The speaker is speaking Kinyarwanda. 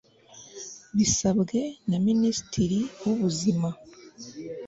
Bisabwe na Minisitiri w Ubuzima